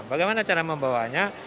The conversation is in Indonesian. bagaimana cara membawanya